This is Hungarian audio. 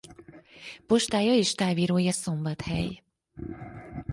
Postája és távírója Szombathely.